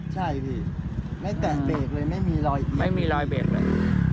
ใช่พี่ไม่แต่เบรกเลยไม่มีลอยเบรกเลย